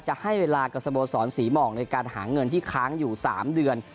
จะให้เวลากับสโมสรศรีหมอกในการหาเงินที่ค้างอยู่๓เดือน